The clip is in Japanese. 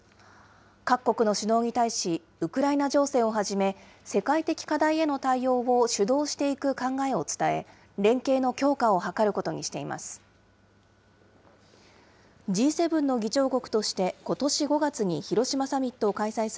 各国の首脳に対し、ウクライナ情勢をはじめ、世界的課題への対応を主導していく考えを伝え、連携の強化を図ることにしています。